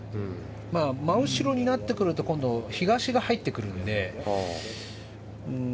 真後ろになってくると今度、東が入ってくるので。